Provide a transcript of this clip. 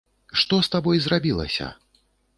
Што з табой зрабілася?